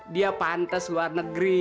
dia pantes luar negeri